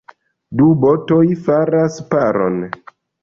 Du botoj faras paron.